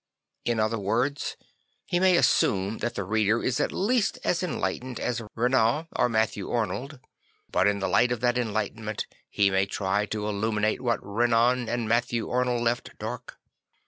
In other words he may assume that the reader is at least as enlightened as Renan or Matthew Arnold; but in the light of that enlightenment he may try to illuminate what Renan and Matthew Arnold left dark.